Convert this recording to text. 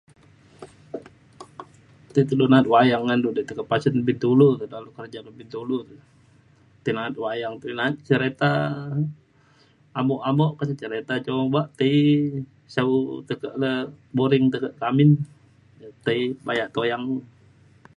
tai telu na'at wayang ngan du dik tai ke pasen bintulu te dalau kerja ke bintulu te tai na'at wayang tai na'at cereta amok-amok pe cereta coma tai sau tekak le boring tekek le ke amin tai bayak toyang.